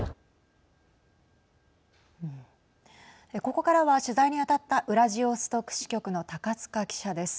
ここからは取材に当たったウラジオストク支局の高塚記者です。